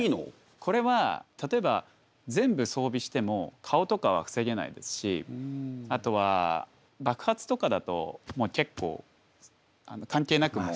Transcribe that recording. これは例えば全部装備しても顔とかは防げないですしあとは爆発とかだともう結構関係なくもう。